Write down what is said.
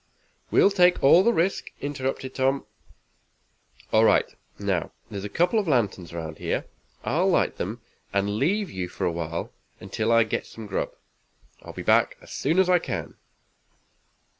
"We'll take all the risk," interrupted Tom. "All right. Now there's a couple of lanterns around here. I'll light them, and leave you for a while until I can get some grub. I'll be back as soon as I can."